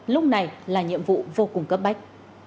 lúc này là nhiệm vụ vô cùng cấp bách